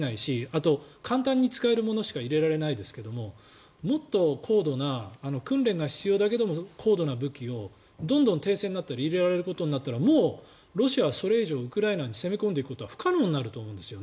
あと、簡単に使えるものしか入れられないですけれどももっと高度な訓練が必要だけど高度な武器をどんどん停戦になって入れられることになったらもうロシアはそれ以上ウクライナに攻め込んでいくことは不可能になると思うんです。